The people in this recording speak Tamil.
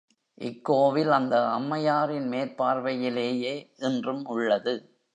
இக்கோவில் அந்த அம்மையாரின் மேற்பார்வையிலேயே இன்றும் உள்ளது.